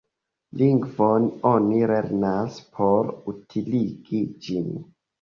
Lingvon oni lernas por utiligi ĝin.